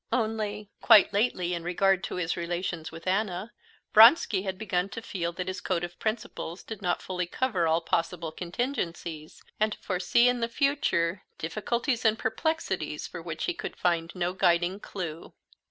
Only quite lately in regard to his relations with Anna, Vronsky had begun to feel that his code of principles did not fully cover all possible contingencies, and to foresee in the future difficulties and perplexities for which he could find no guiding clue.